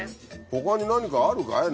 他に何かあるかい？